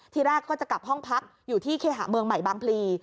ทีแรกก็จะกลับห้องพักอยู่ที่เคหะเมืองใหม่บางพลี